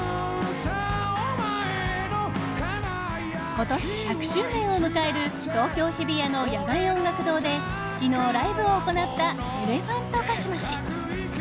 今年１００周年を迎える東京・日比谷の野外音楽堂で昨日ライブを行ったエレファントカシマシ。